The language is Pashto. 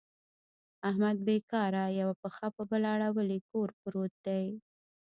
احمد بېکاره یوه پښه په بله اړولې کور پورت دی.